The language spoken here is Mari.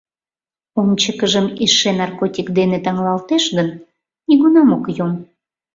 Ончыкыжым эше наркотик дене таҥлалтеш гын, нигунам ок йом...